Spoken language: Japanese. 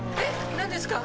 何ですか？